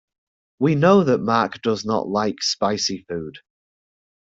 We know that Mark does not like spicy food.